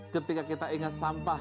ketika kita ingat sampah